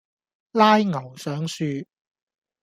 拉牛上樹